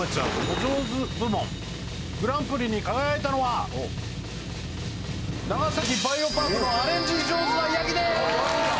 お上手部門グランプリに輝いたのは長崎バイオパークのアレンジ上手なヤギです！